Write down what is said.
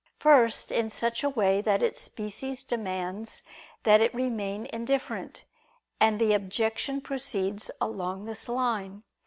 First in such a way that its species demands that it remain indifferent; and the objection proceeds along this line.